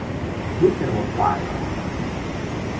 We cannot fail!